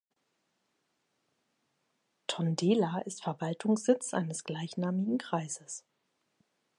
Tondela ist Verwaltungssitz eines gleichnamigen Kreises.